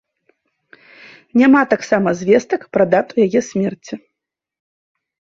Няма таксама звестак пра дату яе смерці.